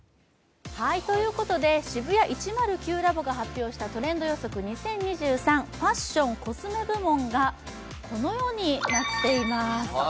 ＳＨＩＢＵＹＡ１０９ラボが発表したトレンド、ファッション・コスメ部門がこのようになっています。